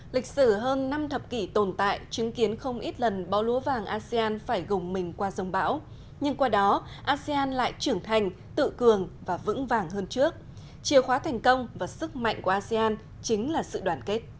lịch sử hơn năm thập kỷ tồn tại chứng kiến không ít lần bão lúa vàng asean phải gồng mình qua dòng bão nhưng qua đó asean lại trưởng thành tự cường và vững vàng hơn trước chiều khóa thành công và sức mạnh của asean chính là sự đoàn kết